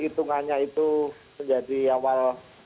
itungannya itu menjadi awal